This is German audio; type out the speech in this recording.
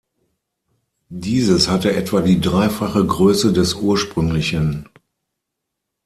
Dieses hatte etwa die dreifache Größe des ursprünglichen.